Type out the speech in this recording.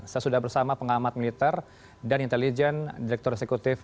saya sudah bersama pengamat militer dan intelijen direktur eksekutif